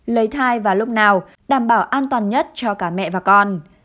lấy thai vào lúc nào đảm bảo an toàn nhất cho cả mẹ và con